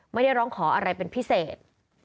ไม่ได้ร้องขออะไรเป็นพิเศษ